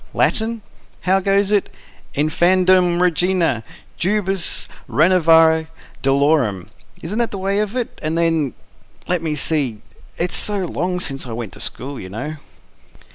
... Latin? How goes it? INFANDUM, REGINA, JUBES RENOVARE DOLOREM isn't that the way of it? And then ... let me see! It's so long since I went to school, you know."